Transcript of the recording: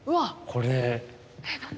これ。